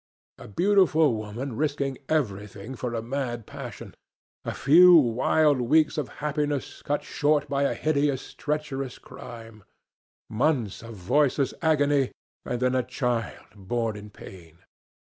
A beautiful woman risking everything for a mad passion. A few wild weeks of happiness cut short by a hideous, treacherous crime. Months of voiceless agony, and then a child born in pain.